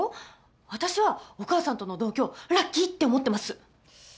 私はお母さんとの同居ラッキーって思ってます！